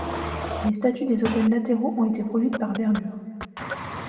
Les statues des autels latéraux ont été produites par Verbure.